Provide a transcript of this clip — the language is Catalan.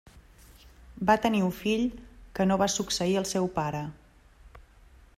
Va tenir un fill que no va succeir el seu pare.